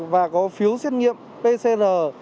và có phiếu xét nghiệm pcr